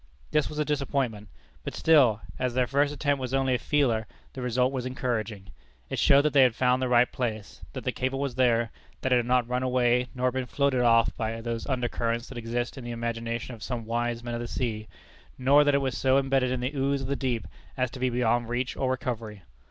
This was a disappointment, but still, as their first attempt was only a "feeler," the result was encouraging. It showed that they had found the right place; that the cable was there; that it had not run away nor been floated off by those under currents that exist in the imagination of some wise men of the sea; nor that it was so imbedded in the ooze of the deep as to be beyond reach or recovery.